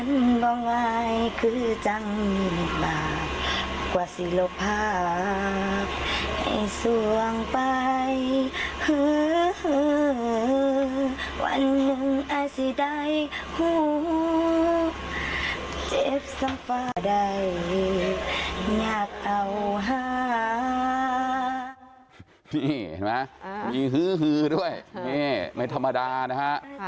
นี่เห็นไหมมีฮือฮือด้วยนี่ไม่ธรรมดานะฮะ